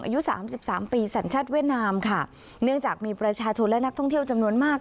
อายุสามสิบสามปีสัญชาติเวียดนามค่ะเนื่องจากมีประชาชนและนักท่องเที่ยวจำนวนมาก